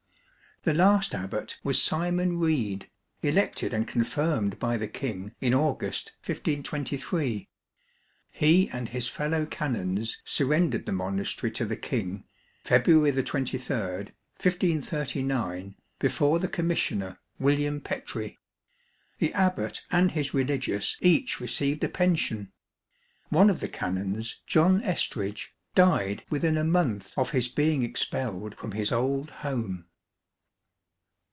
The last abbot was Simon Rede, elected and confirmed by the King in August, 1523. He and his fellow canons surrendered the monastery to the King, February 23, 1539, before the commissioner, William Petre. The abbot and his religious each received a pension. One of the canons, John Estrige, died within a month of his being expelled from his old home.